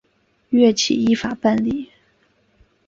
岳起依法办理。